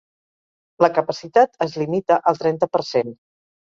La capacitat es limita al trenta per cent.